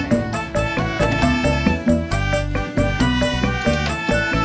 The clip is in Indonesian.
punyaku pakai sepatu betanya pun